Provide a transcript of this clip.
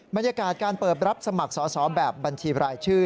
บรรยากาศการเปิดรับสมัครสอบแบบบัญชีรายชื่อ